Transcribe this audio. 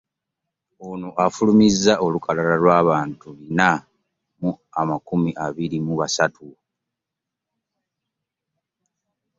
Ono afulumizza olukalala lw'abantu Bina mu abiri mu basatu